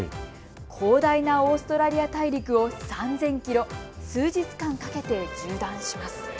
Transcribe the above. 広大なオーストラリア大陸を３０００キロ、数日間かけて縦断します。